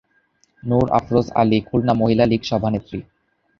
নূর আফরোজ আলী খুলনা মহিলা লীগ সভানেত্রী।